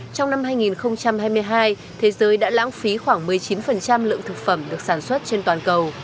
trong năm hai nghìn hai mươi hai thế giới đã lãng phí khoảng một mươi chín lượng thực phẩm được sản xuất trên toàn cầu